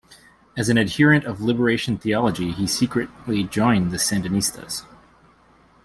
As an adherent of liberation theology, he secretly joined the Sandinistas.